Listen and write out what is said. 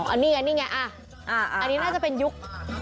อันนี้น่าจะเป็นยุค